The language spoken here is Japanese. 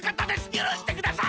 ゆるしてください！